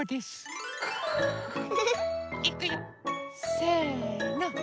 せの。